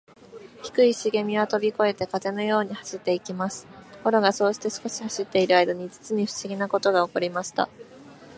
低いしげみはとびこえて、風のように走っていきます。ところが、そうして少し走っているあいだに、じつにふしぎなことがおこりました。